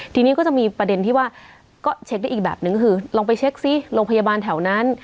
ทีนี้ก็จะมีประเด็นที่ว่าก็เช็คได้อีกแบบนึงคือลองไปเช็คซิโรงพยาบาลแถวนั้น